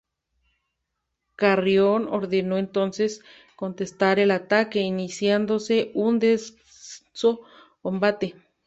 Carrión ordenó entonces contestar el ataque, iniciándose un denso combate.